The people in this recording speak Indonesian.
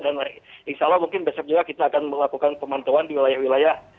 dan insya allah mungkin besok juga kita akan melakukan pemantauan di wilayah wilayah